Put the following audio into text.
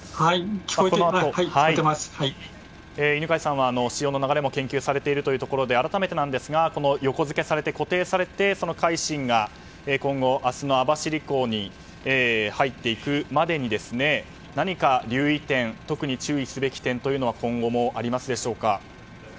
犬飼さんは潮の流れも研究されているということで改めてですが横付けされて、固定されて「海進」が今後明日の網走港に入っていくまでに何か留意点、特に注意すべき点は今後もありますでしょうか。